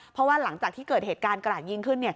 เพราะว่าหลังจากที่เกิดเหตุการณ์กระดาษยิงขึ้น